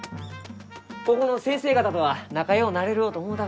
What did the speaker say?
ここの先生方とは仲ようなれるろうと思うたがじゃ。